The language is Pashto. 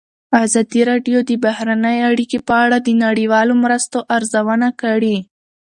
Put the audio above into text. ازادي راډیو د بهرنۍ اړیکې په اړه د نړیوالو مرستو ارزونه کړې.